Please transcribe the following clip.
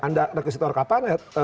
anda rekusitor kapan ya